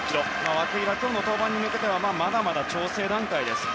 涌井は今日の登板に向けてはまだまだ調整段階です